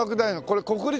これ国立？